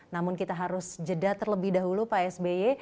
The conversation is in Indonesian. namun kita harus jeda terlebih dahulu pak sby